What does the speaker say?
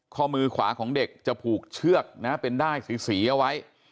ข้อมือขวาของเด็กจะผูกเชือกนะเป็นด้ายสีเอาไว้